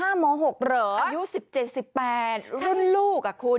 อายุ๑๗๑๘รุ่นลูกอะคุณ